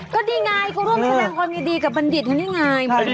ก็ดีไงกูร่วมแสดงคนดีกับบันดิษฐ์คนนี้ไง